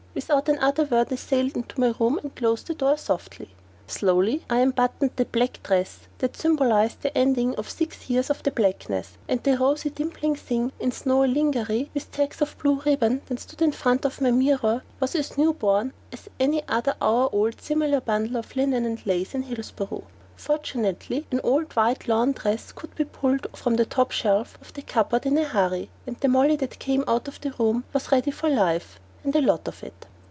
Without another word I sailed into my room and closed the door softly. Slowly I unbuttoned that black dress that symbolised the ending of six years of the blackness, and the rosy dimpling thing in snowy lingerie with tags of blue ribbon that stood in front of my mirror was as new born as any other hour old similar bundle of linen and lace in Hillsboro. Fortunately, an old white lawn dress could be pulled from the top shelf of the cupboard in a hurry, and the Molly that came out of that room was ready for life and a lot of it.